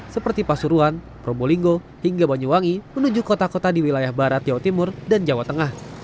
seperti pasuruan probolinggo hingga banyuwangi menuju kota kota di wilayah barat jawa timur dan jawa tengah